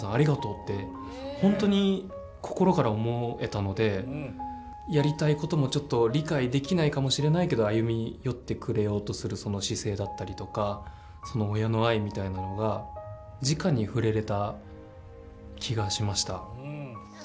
本当に心から思えたのでやりたいこともちょっと理解できないかもしれないけど歩み寄ってくれようとするその姿勢だったりとか親の愛みたいなのがじかに触れられた気がしました。